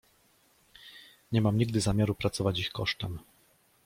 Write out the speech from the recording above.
"Nie mam nigdy zamiaru pracować ich kosztem."